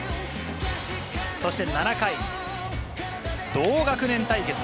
そして７回、同学年対決。